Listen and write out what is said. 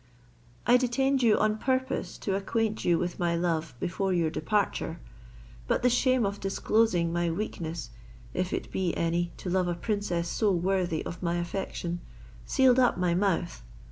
I detained you on purpose to acquaint you with my love before your departure; but the shame of disclosing my weakness, if it be any to love a princess so worthy of my affection, sealed up my mouth.